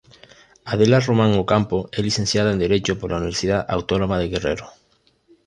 Adela Román Ocampo es Licenciada en Derecho por la Universidad Autónoma de Guerrero.